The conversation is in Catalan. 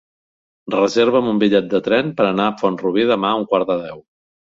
Reserva'm un bitllet de tren per anar a Font-rubí demà a un quart de deu.